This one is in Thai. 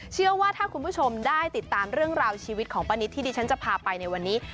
เชื่อว่าถ้าคุณผู้ชมได้ติดตามเรื่องราวชีวิตของป้านิตที่ดิฉันจะพาไปในวันนี้